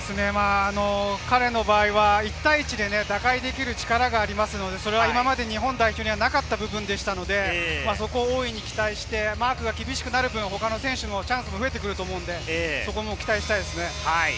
彼の場合、１対１で打開できる力がありますので、今まで日本代表にはなかった部分でしたので、そこを大いに期待し、マークが厳しくなると他の選手がチャンスが増えてくると思うので、そこも期待したいです。